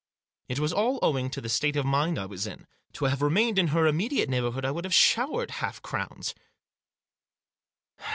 It was all owing to the state of mind I was in. To have remained in her immediate neighbourhood I would have showered half crowns.